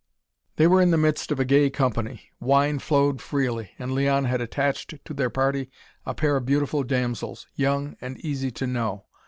They were in the midst of a gay company. Wine flowed freely, and Leon had attached to their party a pair of beautiful damsels, young, and easy to know.